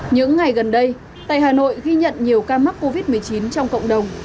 những ngày gần đây tại hà nội ghi nhận nhiều ca mắc covid một mươi chín trong cộng đồng